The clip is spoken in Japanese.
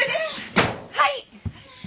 はい！